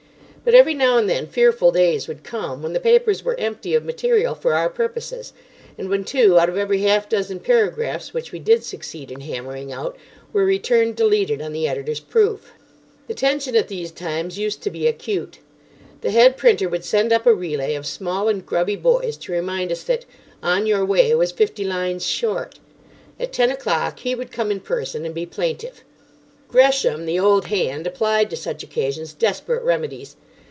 But every now and then fearful days would come, when the papers were empty of material for our purposes, and when two out of every half dozen paragraphs which we did succeed in hammering out were returned deleted on the editor's proof. The tension at these times used to be acute. The head printer would send up a relay of small and grubby boys to remind us that "On Your Way" was fifty lines short. At ten o'clock he would come in person, and be plaintive. Gresham, the old hand, applied to such occasions desperate remedies.